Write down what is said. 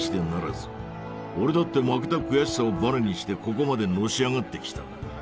俺だって負けた悔しさをバネにしてここまでのし上がってきた。